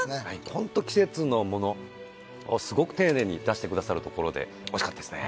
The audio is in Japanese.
ホント季節のものをすごく丁寧に出してくださる所でおいしかったですね